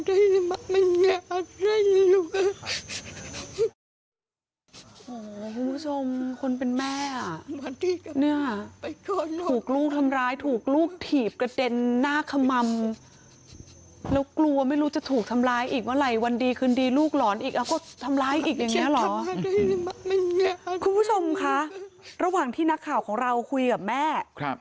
คุณผู้ชมคนเป็นแม่ถูกลูกทำร้ายถูกลูกถีบกระเด็นหน้าขมรรมแล้วกลัวไม่รู้จะถูกทำร้ายอีกเมื่อไหร่วันดีคืนดีลูกหลอนอีกแล้วก็ทำร้ายอีกอย่างนี้เหรอคุณผู้ชมค่ะระหว่างที่นักข่าวของเราคุยกับแม่